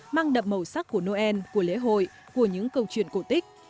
mang đậm màu sắc của noel của lễ hội của những câu chuyện cổ tích